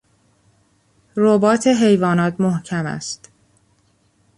رباط حیوانات محکم است.